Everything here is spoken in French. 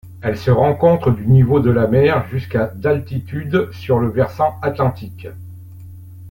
Elle se rencontre du niveau de la mer jusqu'à d'altitude sur le versant atlantique.